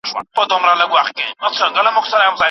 پر خره سپرېدل یو شرم، ځني کښته کېدل یې بل شرم.